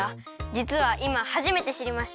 じつはいまはじめてしりました。